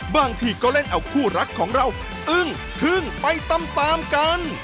บางทีก็เล่นเอาคู่รักของเราอึ้งทึ่งไปตามกัน